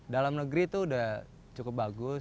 dalam negeri itu sudah cukup bagus